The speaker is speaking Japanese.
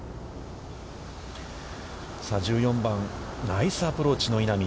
さあ１４番、ナイスアプローチの稲見。